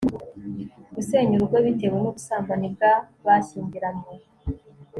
gusenya urugo bitewe n'ubusambanyi bw'abashyingiranywe